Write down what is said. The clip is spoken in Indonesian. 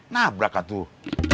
nah berapa tuh